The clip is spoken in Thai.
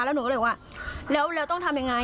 แล้วหนูก็เลยบอกว่าแล้วต้องทำยังไง